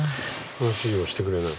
話をしてくれない？